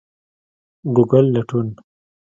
ګوګل لټون